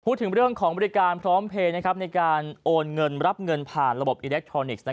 พูดถึงเรื่องของบริการพร้อมเพลย์ในการโอนเงินรับเงินผ่านระบบอิเล็กทรอนิกส์